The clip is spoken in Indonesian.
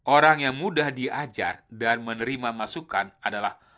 orang yang mudah diajar dan menerima masukan adalah